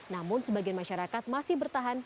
namun sebagian masyarakat masih bertahan